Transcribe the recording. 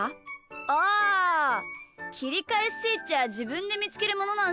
あきりかえスイッチはじぶんでみつけるものなんすよ。